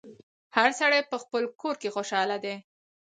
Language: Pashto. هر سړی په خپل کور کي خوشحاله دی